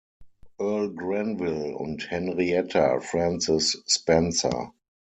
Earl Granville, und Henrietta Frances Spencer.